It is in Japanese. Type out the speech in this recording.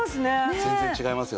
全然違いますよね。